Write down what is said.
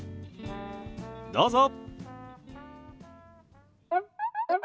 どうぞ。